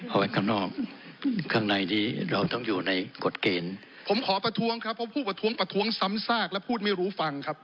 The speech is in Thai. เอาไว้ข้างนอกข้างในนี้เราต้องอยู่ในกฎเกณฑ์ผมขอประท้วงครับเพราะผู้ประท้วงประท้วงซ้ำซากและพูดไม่รู้ฟังครับ